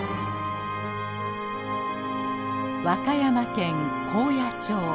和歌山県高野町。